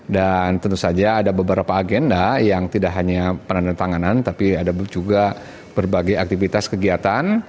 dan tentu saja ada beberapa agenda yang tidak hanya penandatanganan tapi ada juga berbagai aktivitas kegiatan